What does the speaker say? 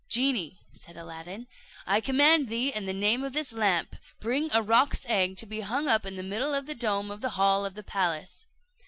"Genie," said Aladdin, "I command thee, in the name of this lamp, bring a roc's egg to be hung up in the middle of the dome of the hall of the palace."